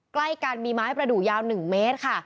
ใกล้กันมีไม้ประดูกยาว๑เมตรค่ะ